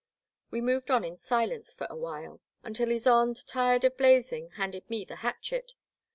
'' We moved on in silence for a while, until Ysonde, tired of blazing, handed me the hatchet.